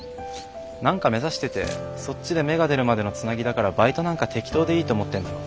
何か目指しててそっちで芽が出るまでのつなぎだからバイトなんか適当でいいと思ってるんだろ。